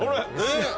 えっ！